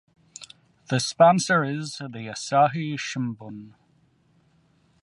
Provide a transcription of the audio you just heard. The sponsor is "The Asahi Shimbun".